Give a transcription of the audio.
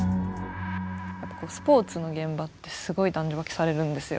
スポーツの現場ってすごい男女分けされるんですよ。